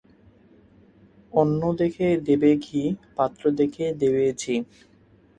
অন্ন দেখে দেবে ঘি, পাত্র দেখে দেবে ঝি।